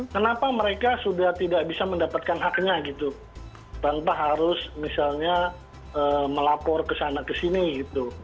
kenapa mereka sudah tidak bisa mendapatkan haknya gitu tanpa harus misalnya melapor kesana kesini gitu